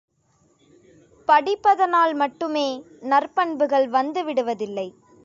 படிப்பதனால் மட்டுமே நற்பண்புகள் வந்து விடுவதில்லை.